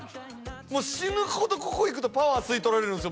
もう死ぬほどここ行くとパワー吸い取られるんすよ